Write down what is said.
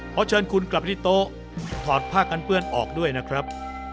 ขอเชิญคุณกลับที่โต๊ะถอดผ้ากันเปื้อนออกด้วยนะครับ